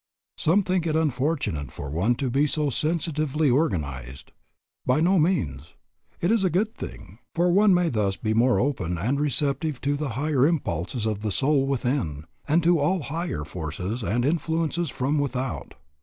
Some think it unfortunate for one to be sensitively organized. By no means. It is a good thing, for one may thus be more open and receptive to the higher impulses of the soul within, and to all higher forces and influences from without.